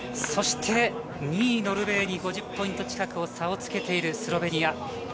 そして２位ノルウェーに５０ポイント近く差をつけているスロベニア。